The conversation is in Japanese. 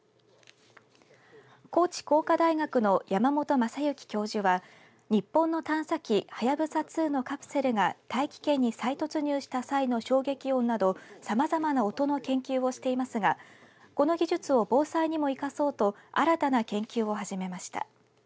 高知工科大学の山本真行教授は日本の探査機はやぶさ２のカプセルが大気圏に再突入した際の衝撃音などさまざまな音の研究をしていますがこの技術を防災にも生かそうと新たな研究を始めました。